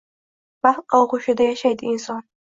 Vaqt og‘ushida yashaydi inson